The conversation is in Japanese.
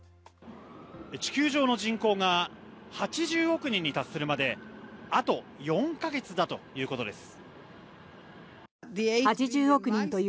地球上の人口が８０億人に達するまであと４か月だということです。